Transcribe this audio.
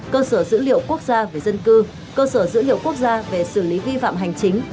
cơ sở dữ liệu quốc gia về dân cư cơ sở dữ liệu quốc gia về xử lý vi phạm hành chính